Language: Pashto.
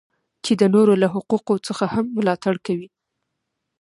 چې د نورو له حقوقو څخه هم ملاتړ کوي.